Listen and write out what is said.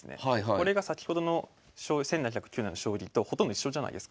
これが先ほどの１７０９年の将棋とほとんど一緒じゃないですか。